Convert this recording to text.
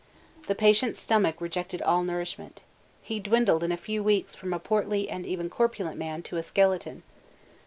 The patient's stomach rejected all nourishment. He dwindled in a few weeks from a portly and even corpulent man to a skeleton.